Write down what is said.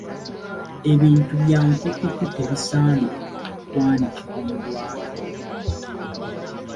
Ebintu bya nkukutu tebisaana kwanikibwa mu lwatu.